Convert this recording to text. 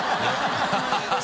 ハハハ